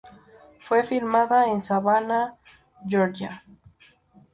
Fue filmada en Savannah, Georgia.